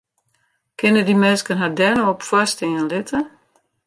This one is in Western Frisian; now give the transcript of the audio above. Kinne dy minsken har dêr no op foarstean litte?